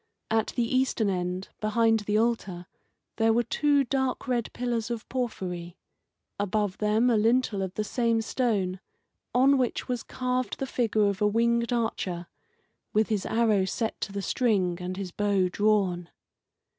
At the eastern end, behind the altar, there were two dark red pillars of porphyry; above them a lintel of the same stone, on which was carved the figure of a winged archer, with his arrow set to the string and his bow drawn.